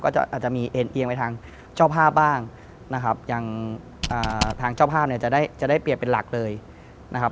อาจจะมีเอ็นเอียงไปทางเจ้าภาพบ้างนะครับอย่างทางเจ้าภาพเนี่ยจะได้จะได้เปรียบเป็นหลักเลยนะครับ